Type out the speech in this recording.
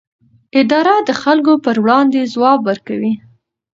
اداره د خلکو پر وړاندې ځواب ورکوي.